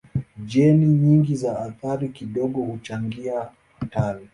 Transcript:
Jeni nyingi za athari kidogo huchangia hatari.